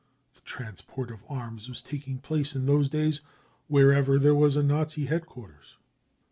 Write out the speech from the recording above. (The transport of arms was taking place in those days wherever there was a Nazi headquarters.)